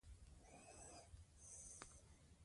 دوی به د ټولنې په ابادۍ کې برخه اخلي.